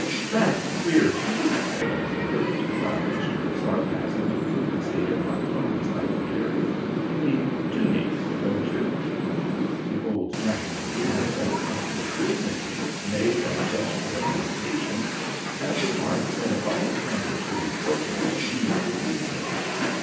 "'That's queer too,' I observed, a mixture of sarcasm and flippancy in my tones, I fear. 'You mean twonique, don't you?' "The old gentleman drew himself up with dignity, made a gesture of impatience, and remarked that if I intended to be flippant he would leave me.